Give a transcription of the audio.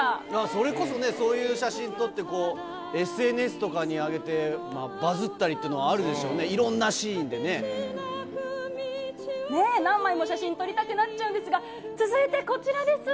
それこそね、そういう写真撮って、こうＳＮＳとかに上げて、バズったりっていうのは、あるでしょうねえ、何枚も写真撮りたくなっちゃうんですが、続いてこちらです。